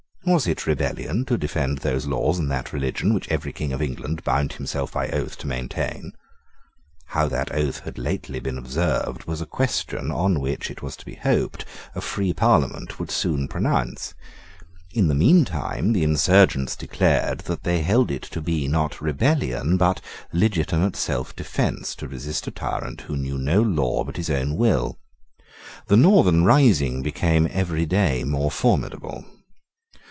Was it rebellion to defend those laws and that religion which every King of England bound himself by oath to maintain? How that oath had lately been observed was a question on which, it was to be hoped, a free Parliament would soon pronounce. In the meantime, the insurgents declared that they held it to be not rebellion, but legitimate self defence, to resist a tyrant who knew no law but his own will. The Northern rising became every day more formidable.